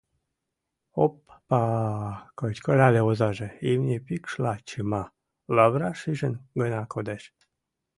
«Оп-па-а!» — кычкырале озаже, имне пикшла чыма, лавыра шыжен гына кодеш.